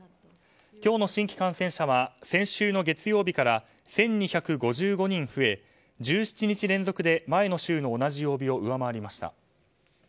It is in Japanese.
今日の新規感染者は先週の月曜日から１２５５人増え、１７日連続で前の週の同じ曜日を上回りました。